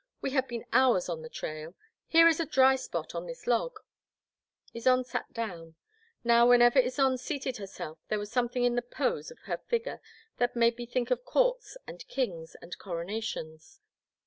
We have been hours on the trail. Here is a dry spot on this log. Ysonde sat down. Now whenever Ysonde seated herself there was something in the pose of her figure that made me think of courts and kings and coronations.